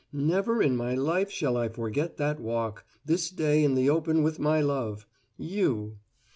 Never in my life shall I forget that walk this day in the open with my love You!